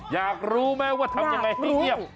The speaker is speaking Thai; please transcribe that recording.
อยากรู้ไหมว่าทำยังไงให้เงียบ